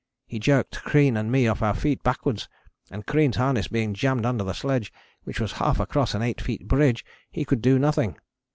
He jerked Crean and me off our feet backwards, and Crean's harness being jammed under the sledge, which was half across an eight feet bridge, he could do nothing.